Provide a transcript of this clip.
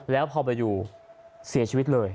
แล้วพอไปดูเสียชีวิตเลย